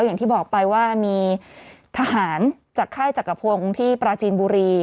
อย่างที่บอกไปว่ามีทหารจากค่ายจักรพงศ์ที่ปราจีนบุรี